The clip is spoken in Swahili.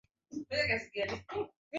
hadhi hiyo lugha ya Kiingereza iliyo lugha ya